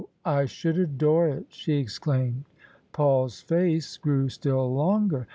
I should adore it/' she exclaimed. Paul's face grew still longer.